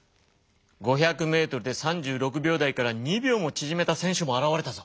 ５００メートルで３６秒台から２秒もちぢめた選手も現れたぞ。